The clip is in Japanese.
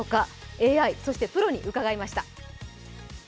ＡＩ、そしてプロに伺いました。